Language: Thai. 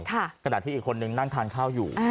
กระด่าถืออีกคนนึงนั่งทานข้าวอยู่